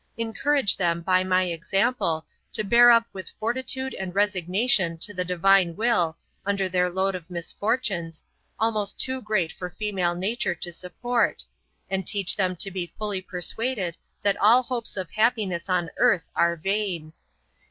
Encourage them, by my example, to bear up with fortitude and resignation to the Divine will, under their load of misfortunes, almost too great for female nature to support, and teach them to be fully persuaded that all hopes of happiness on earth are vain.